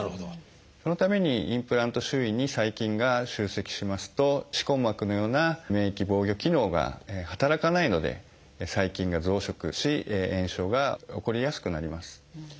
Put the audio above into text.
そのためにインプラント周囲に細菌が集積しますと歯根膜のような免疫防御機能が働かないので細菌が増殖し炎症が起こりやすくなります。